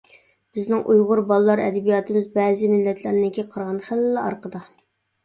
بىزنىڭ ئۇيغۇر بالىلار ئەدەبىياتىمىز بەزى مىللەتلەرنىڭكىگە قارىغاندا خېلىلا ئارقىدا.